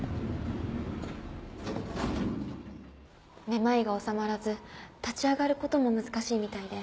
目まいが治まらず立ち上がることも難しいみたいで。